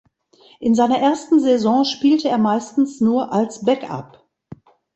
In seiner ersten Saison spielte er meistens nur als Backup.